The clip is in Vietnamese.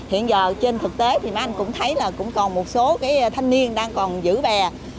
hiện giờ trên thực tế thì mấy anh cũng thấy là cũng còn một số cái thanh niên đang còn giữ bè